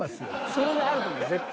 それもあると思う絶対。